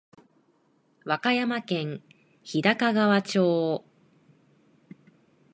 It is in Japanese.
和歌山県日高川町